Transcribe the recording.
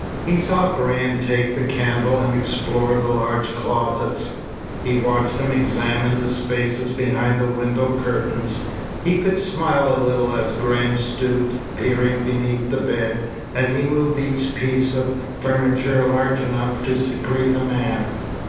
He saw Graham take the candle and explore the large closets. He watched him examine the spaces behind the window curtains. He could smile a little as Graham stooped, peering beneath the bed, as he moved each piece of furniture large enough to secrete a man.